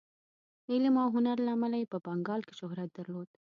د علم او هنر له امله یې په بنګال کې شهرت درلود.